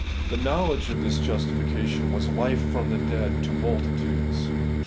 The knowledge of this sure justification was life from the dead to multitudes.